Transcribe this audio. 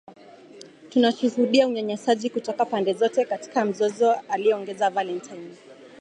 Tunashuhudia unyanyasaji kutoka pande zote katika mzozo aliongeza Valentine.